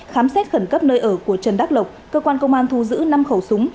khám xét khẩn cấp nơi ở của trần đắc lộc cơ quan công an thu giữ năm khẩu súng